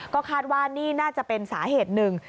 ก็คาดว่านี่น่าจะเป็นสาเหตุหนึ่ง